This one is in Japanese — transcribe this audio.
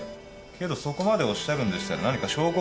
けどそこまでおっしゃるんでしたら何か証拠があるんでしょうね？